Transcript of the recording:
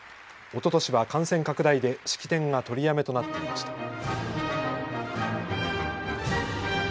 おととしは感染拡大で式典が取りやめとなっていました。